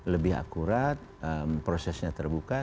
lebih akurat prosesnya terbuka